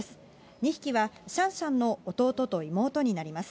２匹はシャンシャンの弟と妹になります。